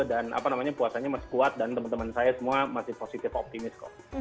dan puasanya masih kuat dan teman teman saya semua masih positif optimis kok